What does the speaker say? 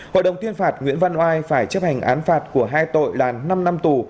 hội đồng tuyên phạt nguyễn văn oai phải chấp hành án phạt của hai tội là năm năm tù